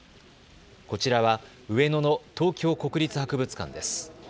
こちらは上野の東京国立博物館です。